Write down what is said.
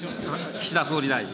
岸田総理大臣。